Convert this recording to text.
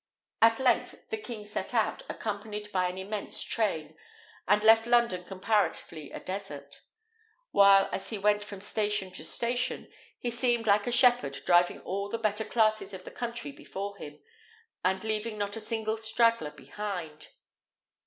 At length the king set out, accompanied by an immense train, and left London comparatively a desert; while, as he went from station to station, he seemed like a shepherd driving all the better classes of the country before him, and leaving not a single straggler behind.